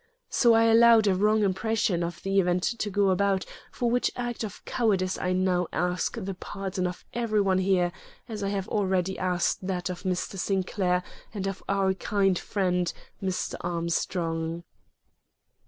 So I allowed a wrong impression of the event to go about, for which act of cowardice I now ask the pardon of every one here, as I have already asked that of Mr. Sinclair and of our kind friend, Mr. Armstrong."